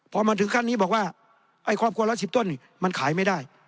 พอมาถึงขั้นนี้บอกว่าไอ้ครอบครัว๑๑๐ต้นนี่มันขายไม่ได้